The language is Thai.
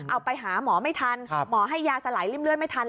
เอาไปหาหมอไม่ทันหมอให้ยาสลายริ่มเลือดไม่ทัน